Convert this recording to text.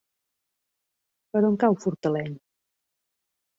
Per on cau Fortaleny?